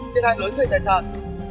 tiền hàng lớn gây tài sản